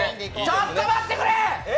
ちょっと待ってくれ！